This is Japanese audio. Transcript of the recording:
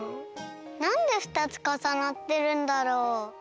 なんで２つかさなってるんだろう？